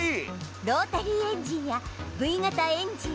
ロータリーエンジンやＶ型エンジン